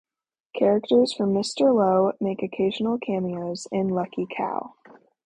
Characters from "Mr. Lowe" make occasional cameos in "Lucky Cow".